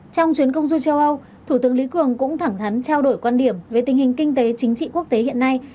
trong chuyến công du châu âu thủ tướng lý cường cũng thẳng thắn trao đổi quan điểm về tình hình kinh tế chính trị quốc tế hiện nay